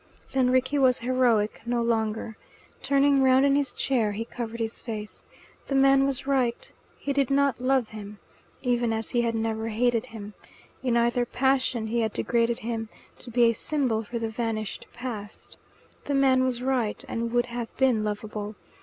Then Rickie was heroic no longer. Turning round in his chair, he covered his face. The man was right. He did not love him, even as he had never hated him. In either passion he had degraded him to be a symbol for the vanished past. The man was right, and would have been lovable.